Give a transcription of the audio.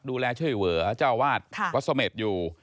ดูแลช่วยเหลือวัดก็สมมติอยู่